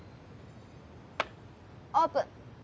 オープン。